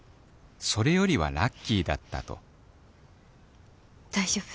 それよりはラッキーだった」と大丈夫。